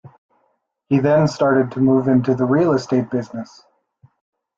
He then started to move into the real estate business.